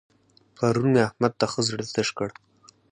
پرون مې احمد ته ښه زړه تش کړ.